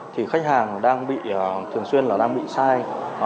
thì khách hàng thường xuyên đang bị sai